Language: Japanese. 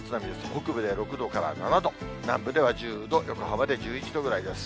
北部では６度から７度、南部では１０度、横浜で１１度ぐらいです。